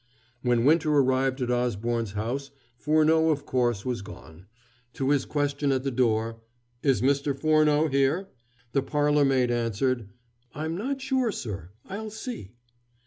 When Winter arrived at Osborne's house Furneaux, of course, was gone. To his question at the door, "Is Mr. Furneaux here?" the parlor maid answered: "I am not sure, sir I'll see."